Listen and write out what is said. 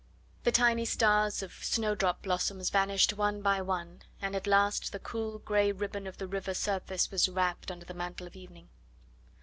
The tiny stars of snowdrop blossoms vanished one by one, and at last the cool, grey ribbon of the river surface was wrapped under the mantle of evening.